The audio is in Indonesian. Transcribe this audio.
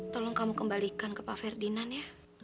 tolong kamu kembalikan ke pak ferdinand ya